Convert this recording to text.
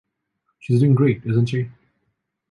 She’s doing great, isn’t she?